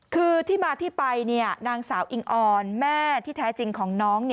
คือที่มาที่ไปนางสาวอิงออนแม่ที่แท้จริงของน้อง